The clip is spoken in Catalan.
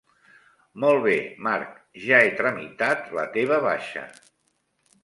Molt bé, Marc, ja he tramitat la teva baixa.